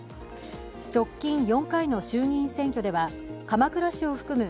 直近４回の衆議院選挙では鎌倉市を含む